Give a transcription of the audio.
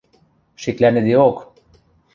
Шеклӓнӹдеок!..